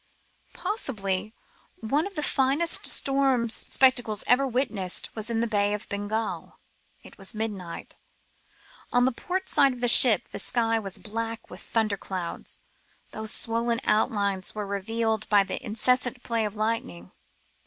Possibly one of the finest storm spectacles ever witnessed was in the Bay of Bengal. It was midnight. On the port side of the ship, the sky was black with thunder clouds, whose swollen outlines were revealed by the incessant play of lightning.